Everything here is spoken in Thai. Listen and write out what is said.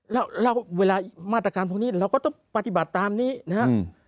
แล้วเวลามาตรการพวกนี้เราก็ต้องปฏิบัติตามนี้นะครับ